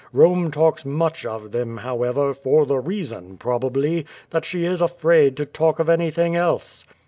Rome talks much of them, how ever, for the reason, probably, that she is afraid to talk of anything else."